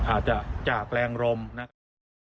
อาจจะจากแรงลมนะครับ